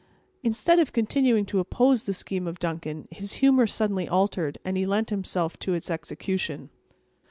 Instead of continuing to oppose the scheme of Duncan, his humor suddenly altered, and he lent himself to its execution.